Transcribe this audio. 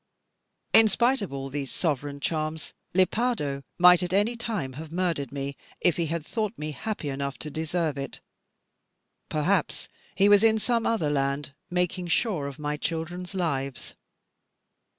In spite of all these sovereign charms, Lepardo might at any time have murdered me, if he had thought me happy enough to deserve it. Perhaps he was in some other land, making sure of my children's lives.